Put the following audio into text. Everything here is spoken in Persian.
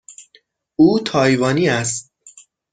او تایوانی است.